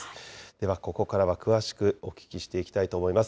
では、ここからは詳しくお聞きしていきたいと思います。